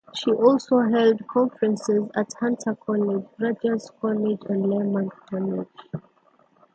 She also held conferences at Hunter College, Rutgers College and Lehman College.